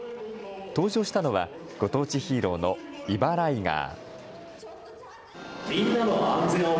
登場したのはご当地ヒーローのイバライガー。